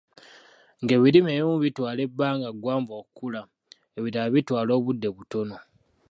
Nga ebirime ebimu bitwala ebbanga ggwanvu okukula, ebirala bitwala obudde butono.